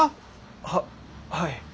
はっはい。